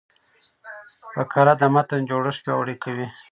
فقره د متن جوړښت پیاوړی کوي.